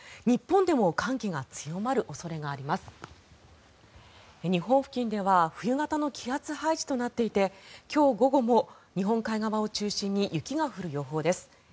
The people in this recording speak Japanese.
日本付近では冬型の気圧配置となっていて今日午後も日本海側を中心に雪が降る予報です。